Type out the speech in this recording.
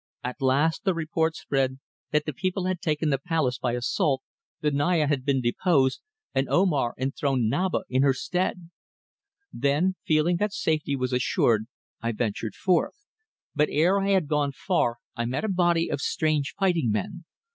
At last the report spread that the people had taken the palace by assault, the Naya had been deposed, and Omar enthroned Naba in her stead. Then, feeling that safety was assured, I ventured forth, but ere I had gone far I met a body of strange fighting men.